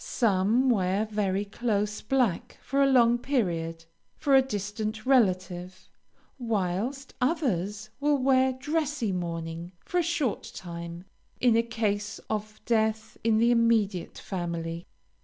Some wear very close black for a long period, for a distant relative; whilst others will wear dressy mourning for a short time in a case of death in the immediate family.